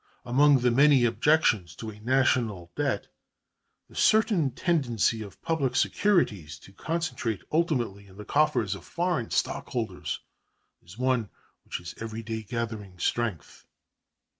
Among the many objections to a national debt, the certain tendency of public securities to concentrate ultimately in the coffers of foreign stockholders is one which is every day gathering strength.